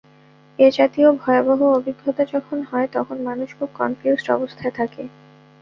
এই জাতীয় ভয়াবহ অভিজ্ঞতা যখন হয়, তখন মানুষ খুব কনফিউজড অবস্থায় থাকে।